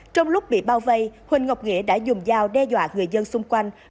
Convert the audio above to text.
trong lúc bị bao vây huỳnh ngọc nghĩa đã dùng dao đe dọa người dân xung quanh